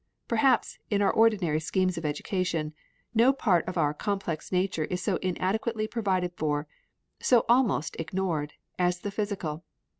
Perhaps, in our ordinary schemes of education, no part of our complex nature is so inadequately provided for, so almost ignored, as the physical.